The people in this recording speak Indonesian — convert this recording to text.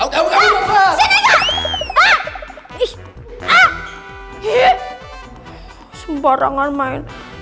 kalian berdikang apaan sih